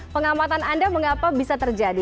pengamatan anda mengapa bisa terjadi